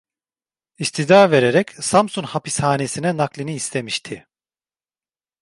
İstida vererek Samsun Hapishanesine naklini istemişti.